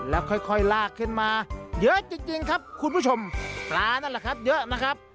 แล้วค่อยค่อยลากขึ้นมาเยอะจริงจริงครับคุณผู้ชมปลานั่นแหละครับเยอะนะครับ